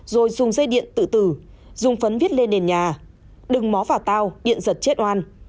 rồi dùng dây điện tự tử dùng phấn viết lên nền nhà đừng mó vào tao điện giật chết oan